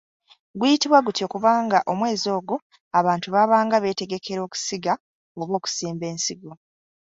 Guyitibwa gutyo kubanga omwezi ogwo abantu baabanga beetegekera okusiga oba okusimba ensigo.